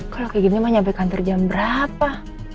kalau kayak gini mah nyampe kantor jam berapa